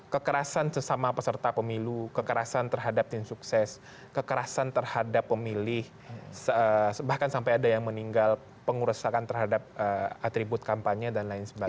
kekerasan sesama peserta pemilu kekerasan terhadap tim sukses kekerasan terhadap pemilih bahkan sampai ada yang meninggal pengurusan terhadap atribut kampanye dan lain sebagainya